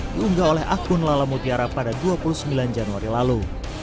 diunggah oleh akun lala mutiara pada dua puluh sembilan januari lalu